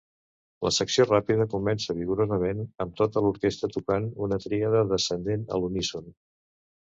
La secció ràpida comença vigorosament amb tota l'orquestra tocant una tríada descendent a l'uníson.